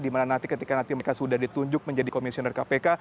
di mana nanti ketika mereka sudah ditunjuk menjadi komisioner kpk